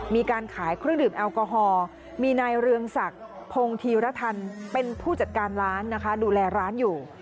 มีการขายเครื่องดื่มแอลกอฮอล์มีนายเรืองศักดิ์พงธีรทันเป็นผู้จัดการร้านนะคะดูแลร้านอยู่